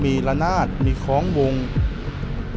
ไม่รู้ว่ามีคนติดละนาด